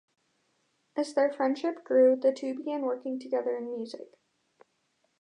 As their friendship grew, the two began working together in music.